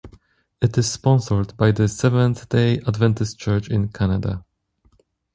It is sponsored by the Seventh-day Adventist Church in Canada.